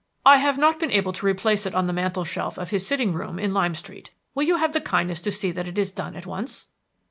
I have not been able to replace it on the mantel shelf of his sitting room in Lime Street. Will you have the kindness to see that it is done at once?"